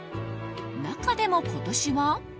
中でも今年は。